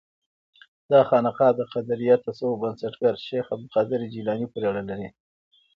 دا خانقاه د قادریه تصوف بنسټګر شیخ عبدالقادر جیلاني پورې اړه لري.